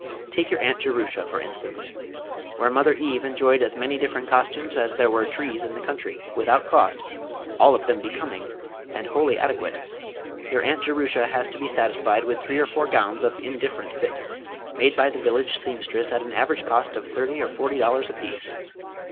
Take your Aunt Jerusha, for instance. Where Mother Eve enjoyed as many different costumes as there were trees in the country without cost, all of them becoming, and wholly adequate, your Aunt Jerusha has to be satisfied with three or four gowns of indifferent fit, made by the village seamstress at an average cost of thirty or forty dollars apiece.